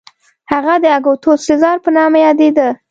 هغه د اګوستوس سزار په نامه یادېده.